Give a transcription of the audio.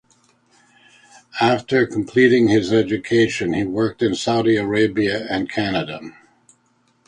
After completing his education he worked in Saudia Arabia and Canada.